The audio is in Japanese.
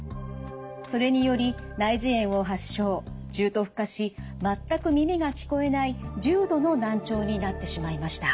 それにより内耳炎を発症重篤化し全く耳が聞こえない重度の難聴になってしまいました。